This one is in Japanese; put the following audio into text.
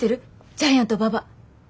ジャイアント馬場。